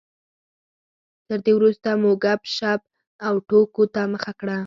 تر دې وروسته مو ګپ شپ او ټوکو ته مخه کړه.